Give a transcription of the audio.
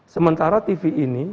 sementara tv ini